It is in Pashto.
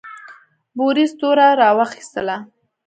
بوریس توره راواخیستله.